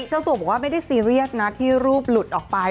เจ้าตัวบอกว่าไม่ได้ซีเรียสนะที่รูปหลุดออกไป